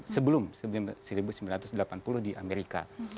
sebelum seribu sembilan ratus delapan puluh di amerika